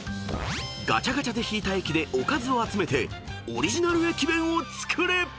［ガチャガチャで引いた駅でおかずを集めてオリジナル駅弁を作れ！］